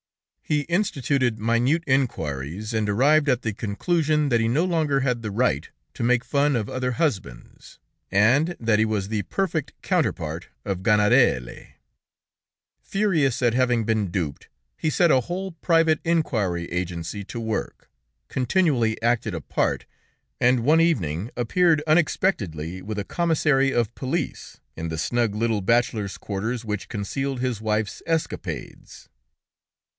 He instituted minute inquiries, and arrived at the conclusion that he no longer had the right to make fun of other husbands, and that he was the perfect counterpart of Sganarelle. [Footnote 20: The Cocu Imaginaire (The Imaginary Cuckold), in Molière's play of that name.] Furious at having been duped, he set a whole private inquiry agency to work, continually acted a part, and one evening appeared unexpectedly with a commissary of police in the snug little bachelor's quarters which concealed his wife's escapades.